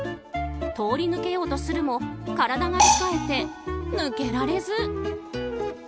通り抜けようとするも体がつかえて抜けられず。